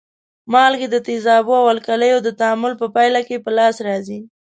مالګې د تیزابو او القلیو د تعامل په پایله کې په لاس راځي.